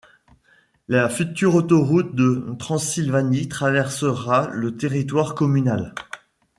La future autoroute de Transylvanie traversera le territoire communal.